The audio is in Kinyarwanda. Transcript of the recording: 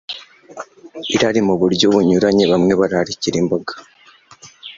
irari mu buryo bunyuranye Bamwe bararikira imboga